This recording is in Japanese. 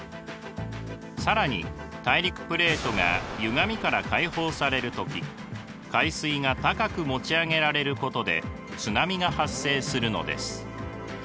更に大陸プレートがゆがみから解放される時海水が高く持ち上げられることで津波が発生するのです。